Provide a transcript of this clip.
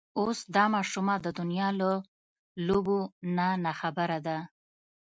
اوس دا ماشومه د دنيا له لوبو نه ناخبره ده.